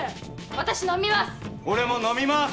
私飲みます！